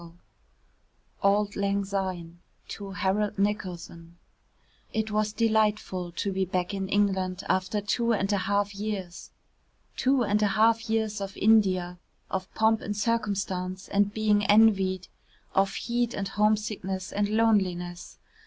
XIII AULD LANG SYNE [To HAROLD NICOLSON] It was delightful to be back in England after two and a half years. Two and a half years of India, of pomp and circumstance and being envied, of heat and homesickness and loneliness.